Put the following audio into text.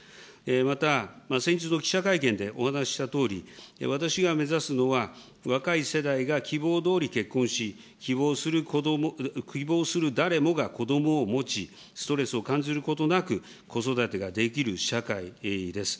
また、先日の記者会見でお話したとおり、私が目指すのは若い世代が希望どおり結婚し、希望する誰もがこどもを持ち、ストレスを感ずることなく、子育てができる社会です。